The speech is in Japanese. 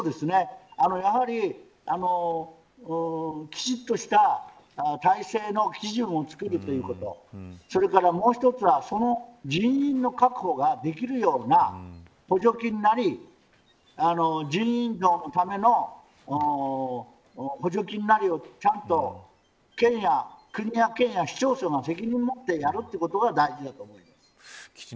きちっとした体制の基準を作ることをそれから、もう一つは人員の確保ができるような補助金なりをちゃんと国や県や市町村が責任をもってやるということが大事だと思います。